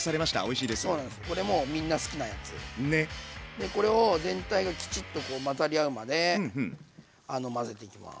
でこれを全体がきちっとこう混ざり合うまで混ぜていきます。